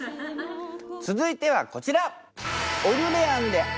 続いてはこちら。